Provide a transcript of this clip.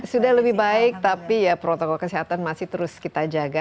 sudah lebih baik tapi ya protokol kesehatan masih terus kita jaga